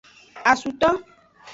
Asuto.